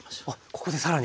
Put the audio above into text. ここで更に。